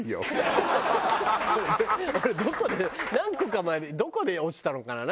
俺どこで何個か前にどこで落ちたのかな？